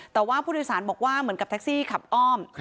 แต่ว่าผู้โดยสารบอกว่าเหมือนกับแท็กซี่ขับอ้อม